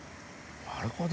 なるほど。